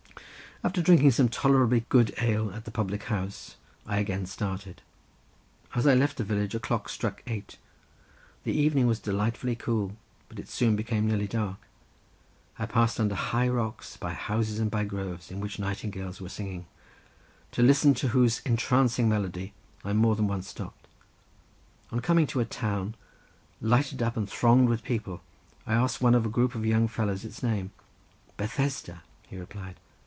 After drinking some tolerably good ale in the public house I again started. As I left the village a clock struck eight. The evening was delightfully cool; but it soon became nearly dark. I passed under high rocks, by houses and by groves, in which nightingales were singing, to listen to whose entrancing melody I more than once stopped. On coming to a town, lighted up and thronged with people, I asked one of a group of young fellows its name. "Bethesda," he replied.